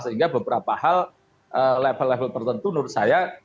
sehingga beberapa hal level level tertentu menurut saya